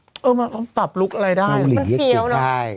เออมันปรับลุคอะไรได้มันเฟี้ยวเนอะใช่